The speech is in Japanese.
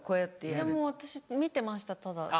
もう私見てましたただ。